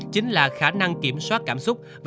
chính là khả năng kiểm soát cảm xúc